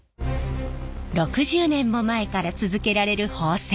６０年も前から続けられる縫製。